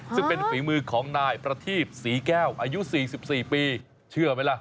ซึ่งเป็นฝีมือของนายประทีบศรีแก้วอายุ๔๔ปีเชื่อไหมล่ะ